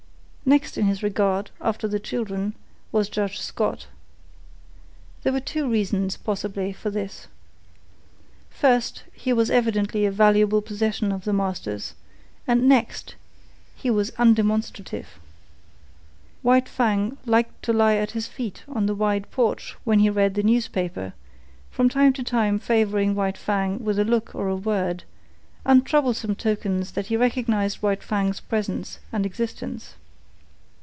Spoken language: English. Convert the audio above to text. Next in his regard, after the children, was Judge Scott. There were two reasons, possibly, for this. First, he was evidently a valuable possession of the master's, and next, he was undemonstrative. White Fang liked to lie at his feet on the wide porch when he read the newspaper, from time to time favouring White Fang with a look or a word—untroublesome tokens that he recognised White Fang's presence and existence.